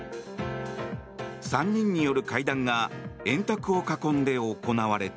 ３人による会談が円卓を囲んで行われた。